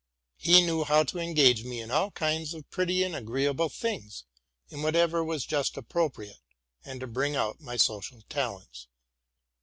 He knew how to engage me in all kinds of pretty and agreeable things, in whatever was just appropriate, and to bring out my social talents.